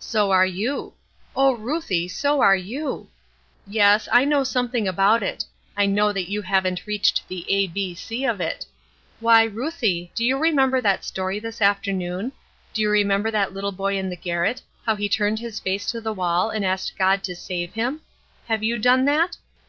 "So are you. Oh, Ruthie, so are you! Yes, I know something about it; I know that you haven't reached the A, B, C, of it. Why, Ruthie, do you remember that story this afternoon? Do you remember that little boy in the garret, how he turned his face to the wall and asked God to save him? Have you done that?